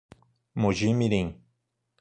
Moji-mirim